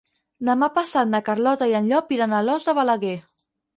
Demà passat na Carlota i en Llop iran a Alòs de Balaguer.